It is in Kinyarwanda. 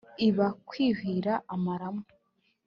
iba kwuhira amaramu